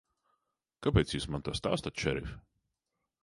Kāpēc Jūs man to stāstāt, šerif?